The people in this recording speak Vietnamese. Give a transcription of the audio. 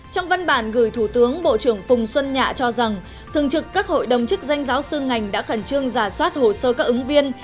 trong văn bản gửi thủ tướng bộ trưởng phùng xuân nhạ cho rằng thường trực các hội đồng chức danh giáo sư ngành đã khẩn trương giả soát hồ sơ các ứng viên